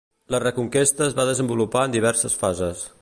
La Reconquesta es va desenvolupar en diverses fases.